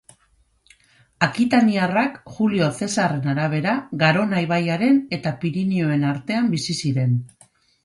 Akitaniarrak, Julio Zesarren arabera, Garona ibaiaren eta Pirinioen artean bizi ziren.